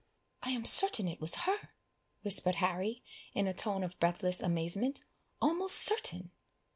"I am certain it was her!" whispered Harry, in a tone of breathless amazement; "almost certain!"